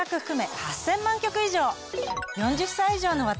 ４０歳以上の私